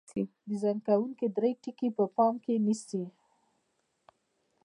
ډیزاین کوونکي درې ټکي په پام کې نیسي.